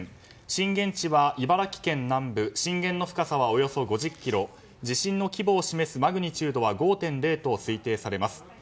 震源地は茨城県南部震源の深さはおよそ５０ｋｍ地震の規模を示すマグニチュード５．０と推定されます。